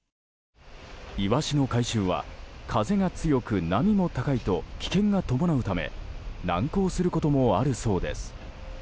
イワシの回収は風が強く、波も高いと危険が伴うため難航することもあるそうです。